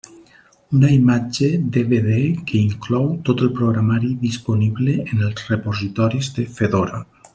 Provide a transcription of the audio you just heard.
Una imatge DVD que inclou tot el programari disponible en els repositoris de Fedora.